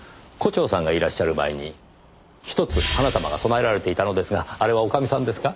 胡蝶さんがいらっしゃる前に１つ花束が供えられていたのですがあれは女将さんですか？